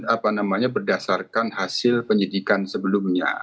apa namanya berdasarkan hasil penyidikan sebelumnya